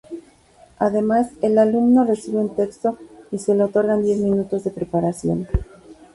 Además, el alumno recibe un texto y se le otorgan diez minutos de preparación.